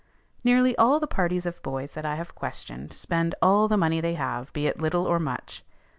Nearly all the parties of boys that I have questioned spend all the money they have, be it little or much.